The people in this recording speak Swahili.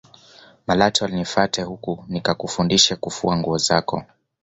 malatwa nifate huku nikakufundishe kufua nguo zako